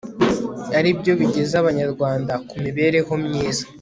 ari byo bigeza abanyarwanda ku mibereho myiza